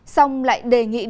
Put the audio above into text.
xong lại đề nghị điều tra